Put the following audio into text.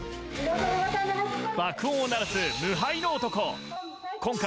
爆音を鳴らす無敗の男。